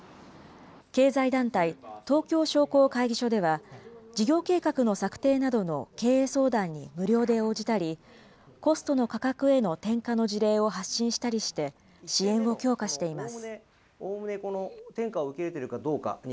経済団体、東京商工会議所では、事業計画の策定などの経営相談に無料で応じたり、コストの価格への転嫁の事例を発信したりして、支援を強化しています。